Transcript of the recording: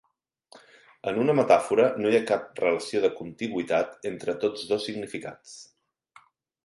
En una metàfora no hi ha cap relació de contigüitat entre tots dos significats.